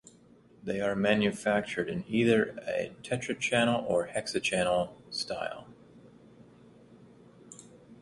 They are manufactured in either a tetrachannel or hexachannel style.